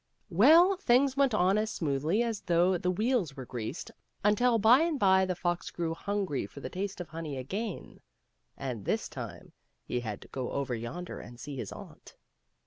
Well, things went on as smoothly as though the wheels were greased, until by and by the fox grew hungry for a taste of honey again ; and this time he had to go over yonder and see his aunt.